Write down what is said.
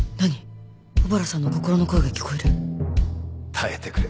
耐えてくれ